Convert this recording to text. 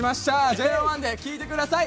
ＪＯ１で、聴いてください。